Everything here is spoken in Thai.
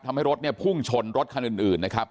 ทำให้รถเนี่ยพุ่งชนรถคันอื่นนะครับ